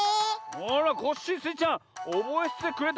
あらコッシースイちゃんおぼえててくれたんけ。